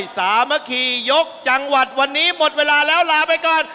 สามัคคียกจังหวัดวันนี้หมดเวลาแล้วลาไปก่อน